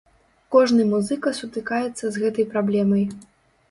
Кожны музыка сутыкаецца з гэтай праблемай.